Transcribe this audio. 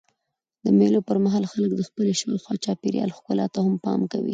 د مېلو پر مهال خلک د خپلي شاوخوا چاپېریال ښکلا ته هم پام کوي.